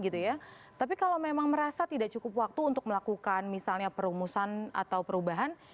tapi kalau memang merasa tidak cukup waktu untuk melakukan misalnya perumusan atau perubahan